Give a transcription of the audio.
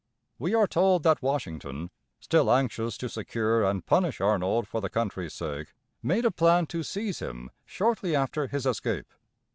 We are told that Washington, still anxious to secure and punish Arnold for the country's sake, made a plan to seize him shortly after his escape.